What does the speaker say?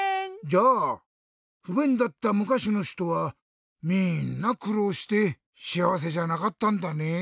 じゃあふべんだったむかしのひとはみんなくろうしてしあわせじゃなかったんだね。